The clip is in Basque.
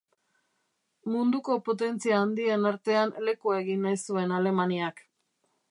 Munduko potentzia handien artean lekua egin nahi zuen Alemaniak.